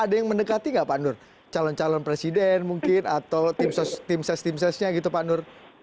ada yang mendekati nggak pak nur calon calon presiden mungkin atau tim ses tim sesnya gitu pak nur